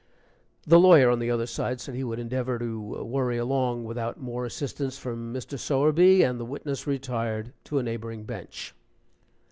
The lawyer on the other side said he would endeavor to worry along without more assistance from Mr. Sowerby, and the witness retired to a neighboring bench.